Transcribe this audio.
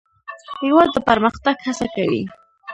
هېواد د پرمختګ هڅه کوي.